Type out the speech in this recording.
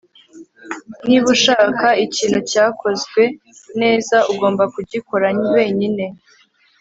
Niba ushaka ikintu cyakozwe neza ugomba kugikora wenyine